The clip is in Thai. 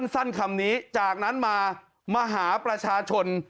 สั้นคำนี้จากนั้นมามาหาประชาชน